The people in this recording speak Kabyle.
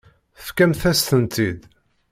Tefkamt-as-tent-id.